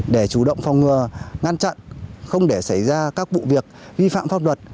để chủ động phòng ngừa ngăn chặn không để xảy ra các vụ việc vi phạm pháp luật